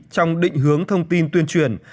trong định hướng thông tin tuyên truyền